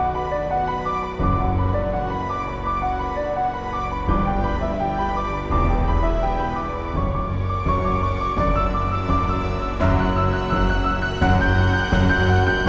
kamu harap dia bisa ke tempat yang lebih baik